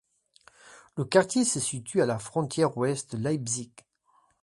Le quartier se situe à la frontière ouest de Leipzig.